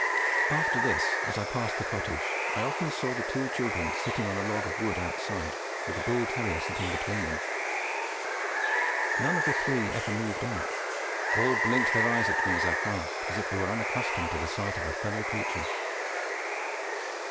After this, as I passed the cottage, I often saw the two children sitting on a log of wood outside, with the bull dog sitting between them. None of the three ever moved out; all blinked their eyes at me as I passed, as if they were unaccustomed to the sight of a fellow creature.